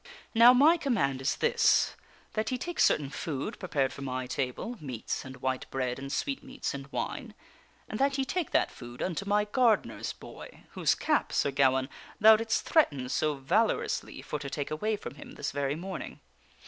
Now my command is this: that ye take certain food prepared for my table meats and white bread and sweetmeats and wine and that ye take that food unto my gardener's boy, whose cap, Sir Ga waine, thou didst threaten so valorously for to take away from him this very morning.